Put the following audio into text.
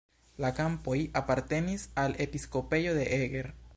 La kampoj apartenis al episkopejo de Eger.